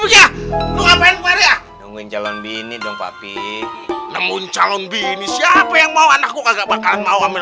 kemudian calon bini dong papi namun calon bini siapa yang mau anakku nggak bakalan mau amin